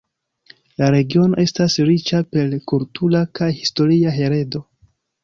La regiono estas riĉa per kultura kaj historia heredo.